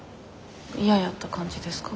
嫌やった感じですか？